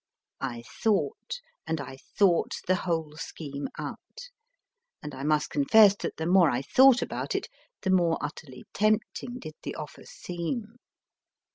I thought, and I thought the whole scheme out, and I must confess that the more I thought about it, the more utterly tempting did the offer seem.